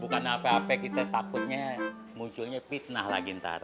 bukan apa apa kita takutnya munculnya fitnah lagi ntar